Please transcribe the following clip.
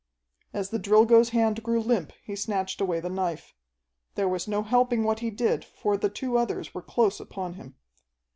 As the Drilgo's hand grew limp he snatched away the knife. There was no helping what he did for the two others were close upon him.